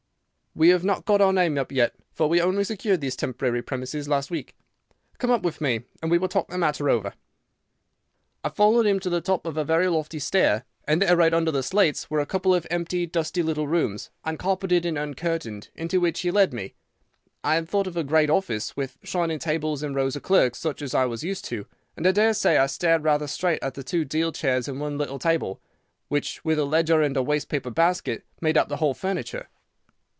"'We have not got our name up yet, for we only secured these temporary premises last week. Come up with me, and we will talk the matter over.' "I followed him to the top of a very lofty stair, and there, right under the slates, were a couple of empty, dusty little rooms, uncarpeted and uncurtained, into which he led me. I had thought of a great office with shining tables and rows of clerks, such as I was used to, and I daresay I stared rather straight at the two deal chairs and one little table, which, with a ledger and a waste paper basket, made up the whole furniture.